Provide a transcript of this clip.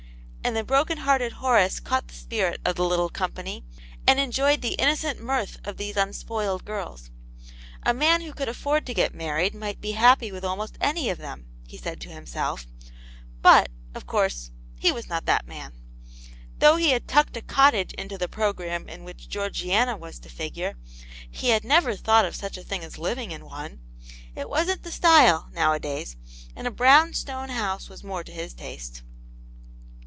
And the bro ken hearted Horace caught the spirit of the little company, and enjoyed the innocent mirth of these unspoiled gif Is ; a man who could afford to get married might be happy with almost any of them he said to himself, but, of course, he was not that man. Though he had tucked a cottage into the programme in which Georgiana was to figure, he had nevei* thought of such a thing as living in one ; it wasn't the style, nowadays, and a brown stone house was more to his taste.